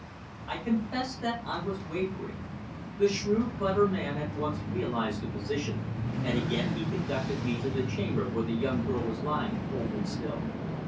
I confess that I was wavering. The shrewd, clever man at once realized the position, and again he conducted me to the chamber where the young girl was lying cold and still.